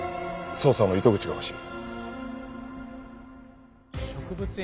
捜査の糸口が欲しい。